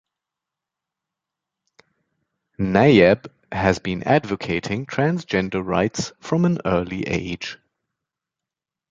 Nayab has been advocating transgender rights from an early age.